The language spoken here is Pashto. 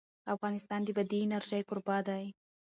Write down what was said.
افغانستان د بادي انرژي کوربه دی.